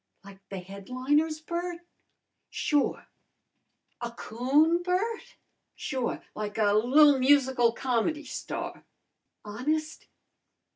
"Like the headliners, Bert?" "Sure!" "A coon, Bert?" "Sure! Like a li'l musical com'dy star." "Honest?"